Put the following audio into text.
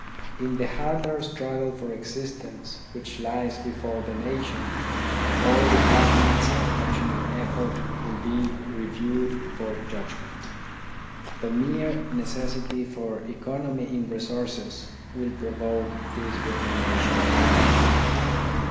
In the harder struggle for existence which lies before the nation, all departments of national effort will be reviewed for judgment. The mere necessity for economy in resources will provoke this reformation.